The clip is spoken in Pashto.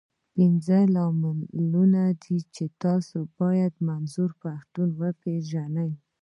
پنځه لاملونه دي، چې تاسو بايد منظور پښتين وپېژنئ.